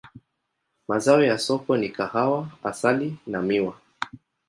Mazao ya soko ni kahawa, asali na miwa.